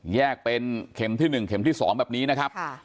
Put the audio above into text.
แยกเป็นเข็มที่หนึ่งเข็มที่สองแบบนี้นะครับค่ะ